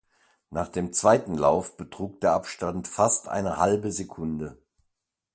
Nach dem zweiten Lauf betrug der Abstand fast eine halbe Sekunde.